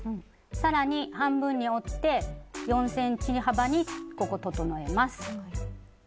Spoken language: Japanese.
更に半分に折って４ｃｍ幅にここ整えます。